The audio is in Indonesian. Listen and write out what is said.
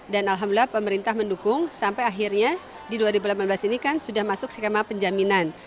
dan alhamdulillah pemerintah mendukung sampai akhirnya di dua ribu delapan belas ini kan sudah masuk skema penjaminan